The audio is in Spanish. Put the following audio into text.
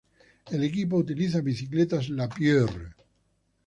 El equipo utiliza bicicletas Lapierre.